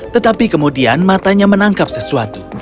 tetapi kemudian matanya menangkap sesuatu